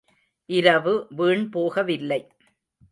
இரவு வீண் போகவில்லை!